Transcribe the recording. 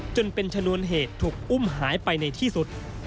จนเป็นชนวนเหตุถูกอุ้มหายไปในที่สุด